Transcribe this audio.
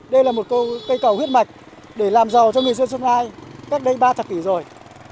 đây là một cây cầu huyết mạch để làm giàu cho người xuân xuân lai cách đây ba thập kỷ rồi